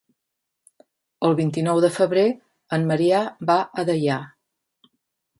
El vint-i-nou de febrer en Maria va a Deià.